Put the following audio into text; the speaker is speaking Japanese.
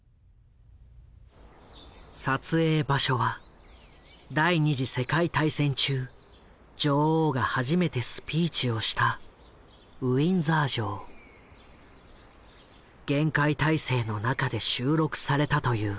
撮影場所は第二次世界大戦中女王が初めてスピーチをした厳戒態勢の中で収録されたという。